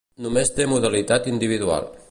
Només té modalitat individual.